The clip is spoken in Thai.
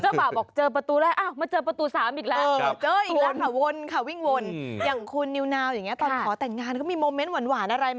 เจ้าบ่าวบอกเจอประตูแรกมาเจอประตูสามอีกแล้ว